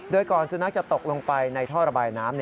โดยก่อนสุนัขจะตกลงไปในท่อระบายน้ำ